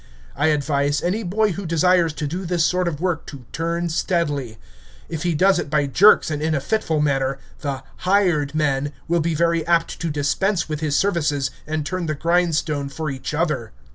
I advise any boy who desires to do this sort of work to turn steadily. If he does it by jerks and in a fitful manner, the "hired men" will be very apt to dispense with his services and turn the grindstone for each other.